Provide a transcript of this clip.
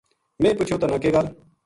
میں پُچھیو تَنا کے گل